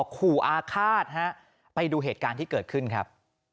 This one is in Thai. ขู่อาฆาตฮะไปดูเหตุการณ์ที่เกิดขึ้นครับ